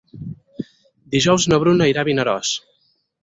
Dijous na Bruna irà a Vinaròs.